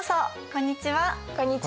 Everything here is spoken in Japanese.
こんにちは。